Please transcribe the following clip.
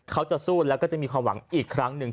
เขาจะสู้แล้วก็จะมีความหวังอีกครั้งหนึ่ง